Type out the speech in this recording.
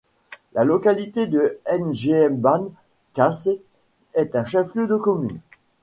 La localité de N’Gban Kassê est un chef-lieu de commune.